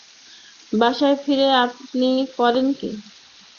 বাসায় ফিরে আপনি করেন কী?